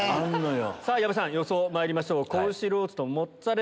さぁ矢部さん予想まいりましょう。